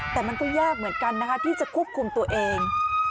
แต่มันก็ยากเหมือนกันนะคะที่จะควบคุมตัวเอง